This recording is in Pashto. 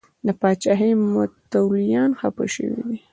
د پاچاهۍ متولیان خفه شوي دي.